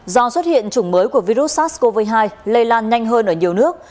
do xuất hiện chủng mới của virus sars cov hai lây lan nhanh hơn ở nhiều nước